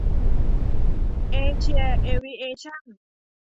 เอเชีย เอวิเอชั่น